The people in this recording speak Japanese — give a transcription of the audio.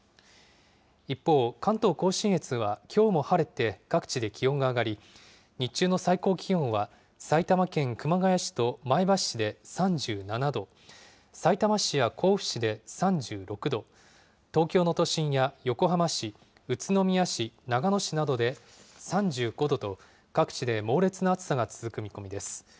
一方、関東甲信越はきょうも晴れて、各地で気温が上がり、日中の最高気温は埼玉県熊谷市と前橋市で３７度、さいたま市や甲府市で３６度、東京の都心や横浜市、宇都宮市、長野市などで３５度と、各地で猛烈な暑さが続く見込みです。